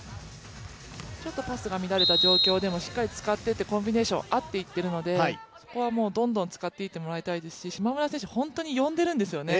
ちょっとパスが乱れた状況でも使ってコンビネーション、合っていっているので、そこはどんどん使っていってもらいたいですし島村選手、本当に呼んでいるんですよね。